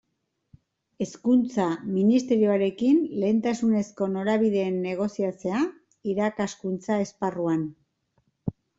Hezkuntza Ministerioarekin lehentasunezko norabideen negoziatzea, irakaskuntza esparruan.